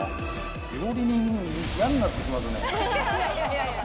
料理人、嫌になってきますね。